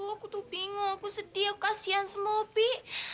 aku tuh bingung aku sedih aku kasian sama opi